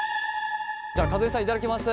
じゃあ和江さん頂きます。